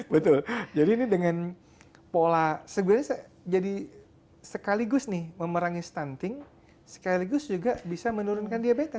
betul jadi ini dengan pola sebenarnya jadi sekaligus nih memerangi stunting sekaligus juga bisa menurunkan diabetes